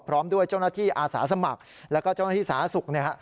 พร้อมด้วยเจ้าหน้าที่อาสาสมัครแล้วก็เจ้าหน้าที่สาศุกร์